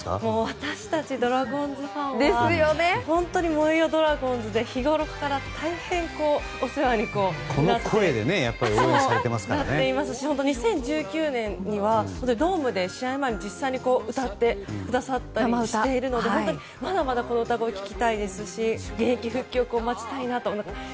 私たちドラゴンズファンは「燃えよドラゴンズ」で日ごろから大変、お世話になっていますし２０１９年にはドームで試合に実際に歌ってくださったりしてるのでまだまだこの歌声を聴きたいですし現役復帰を待ちたいなと。